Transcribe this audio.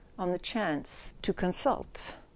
on the chance ... to consult. .